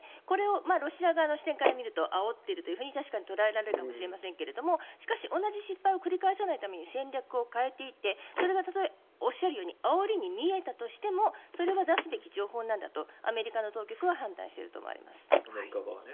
これをロシア側の視点から見るとあおっているというふうに確かに捉えられるかもしれませんがしかし同じ失敗を繰り返さないために戦略を変えていってそれはおっしゃるようにあおりに見えたとしてもそれは出すべき情報なんだとアメリカの当局は判断していると思われます。